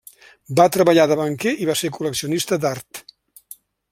Va treballar de banquer i va ser col·leccionista d'art.